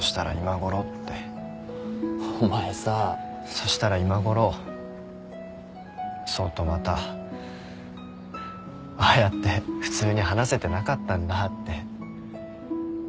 そしたら今ごろ想とまたああやって普通に話せてなかったんだって。